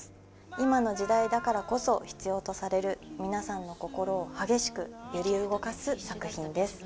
今の時代だからこそ必要とされる皆さんの心を激しく揺り動かす作品です。